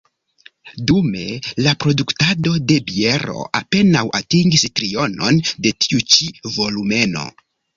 Dume, la produktado de biero apenaŭ atingis trionon de tiu ĉi volumeno.